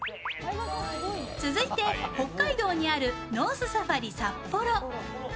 続いて、北海道にあるノースサファリ札幌。